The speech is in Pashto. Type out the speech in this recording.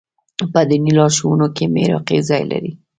په دیني لارښوونو کې محراقي ځای لري.